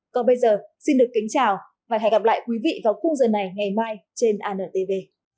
còn bây giờ xin được kính chào và hẹn gặp lại quý vị vào khung giờ này ngày mai trên antv